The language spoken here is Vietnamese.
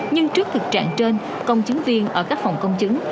nhưng trước thực trạng trên công chứng viên ở các phòng công chứng